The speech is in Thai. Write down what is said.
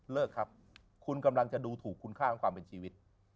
ครับคุณกำลังจะดูถูกคุณค่าของความเป็นชีวิต